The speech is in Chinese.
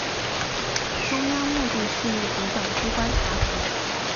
中央目的事业主管机关查核